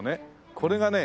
これがね